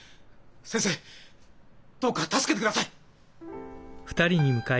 先生どうか助けてください！